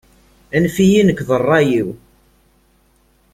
Anef-iyi nekk d rray-iw.